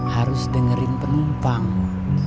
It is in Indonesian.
harus dengerin penumpangmu